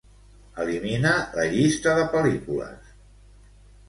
Elimina la llista de pel·lícules.